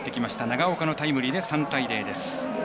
長岡のタイムリーで３対０です。